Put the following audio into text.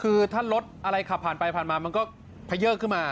คือถ้ารถอะไรขับผ่านไปผ่านมามันก็เผยอกขึ้นมา